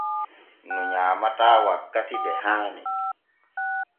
Ŋu nyaamataa wakkati de haani.